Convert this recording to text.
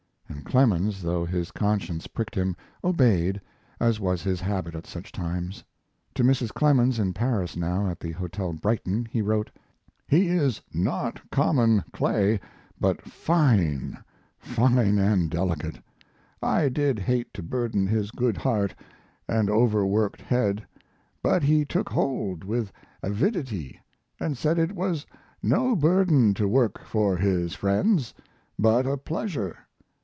And Clemens, though his conscience pricked him, obeyed, as was his habit at such times. To Mrs. Clemens (in Paris now, at the Hotel Brighton) he wrote: He is not common clay, but fine fine & delicate. I did hate to burden his good heart & overworked head, but he took hold with avidity & said it was no burden to work for his friends, but a pleasure.